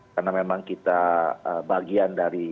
karena memang kita bagian dari